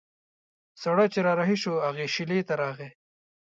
سړی چې را رهي شو هغې شېلې ته راغی.